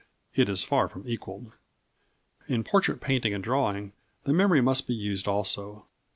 it is far from equalled. In portrait painting and drawing the memory must be used also.